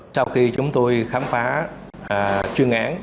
sau khi chúng tôi khám phá chuyên án